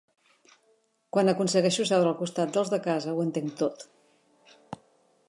Quan aconsegueixo seure al costat dels de casa ho entenc tot.